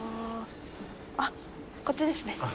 ああっこっちですね。